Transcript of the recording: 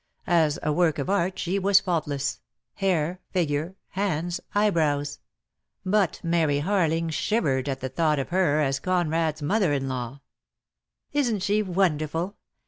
As a work of art she was faultless: hair, figure, hands, eyebrows; but Mary Harling shivered at the thought of her as Conrad's mother in law. "Isn't she wonderful?